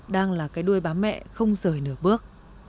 đang là cái đuôi bám mẹ không rời nửa bước